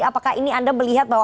apakah ini anda melihat bahwa